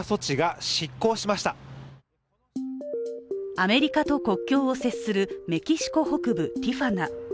アメリカと国境を接するメキシコ北部ティファナ。